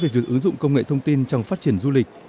từ ứng dụng công nghệ thông tin trong phát triển du lịch